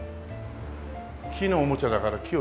木のおもちゃだから木を。